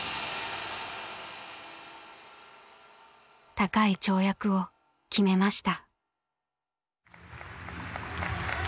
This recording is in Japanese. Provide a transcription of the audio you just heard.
高い跳躍を決めました。